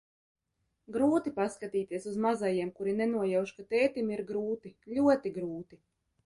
Grūti paskatīties uz mazajiem, kuri nenojauš, ka tētim ir grūti, ļoti grūti.